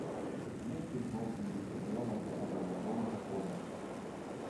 Кветкі дробныя, белага або ружовага колеру.